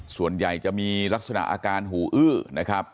ส่วนใหญ่จะมีลักษณะอาการหูอื้อนะครับ